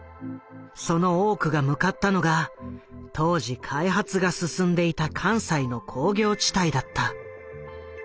その多くが向かったのが当時開発が進んでいた関西の工業地帯だった。